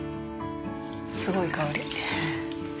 すごい香り。